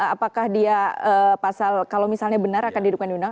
apakah dia pasal kalau misalnya benar akan dihidupkan diundang